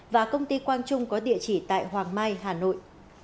và công ty quang trung có địa chỉ tại hoàng mai hà nội